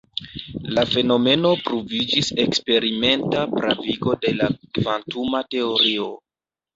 La fenomeno pruviĝis eksperimenta pravigo de la kvantuma teorio.